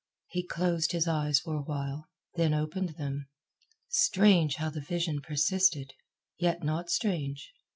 He closed his eyes for a while, then opened them. Strange how the vision persisted! Yet not strange.